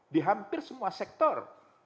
di hampir semua sektor